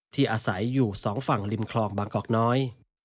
อาศัยอยู่สองฝั่งริมคลองบางกอกน้อย